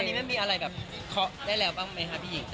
อันนี้มันมีอะไรแบบเคาะได้แล้วบ้างไหมคะพี่หญิง